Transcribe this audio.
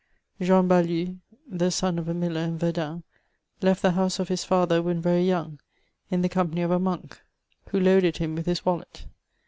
Jean Balue, the son of a miller in Verdun, left the house of his father when very young, in the company of a monk, who loaded him with his wallet.